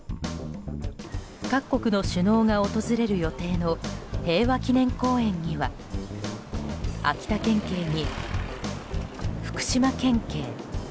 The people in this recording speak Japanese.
各国の首脳が訪れる予定の平和記念公園には秋田県警に、福島県警。